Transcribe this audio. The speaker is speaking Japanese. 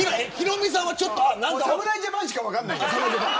侍ジャパンしか分からない。